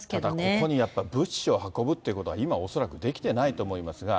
またここにやっぱり、物資を運ぶということは今、恐らくできてないと思いますが。